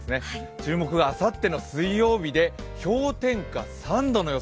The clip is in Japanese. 注目があさっての水曜日で氷点下３度の予想。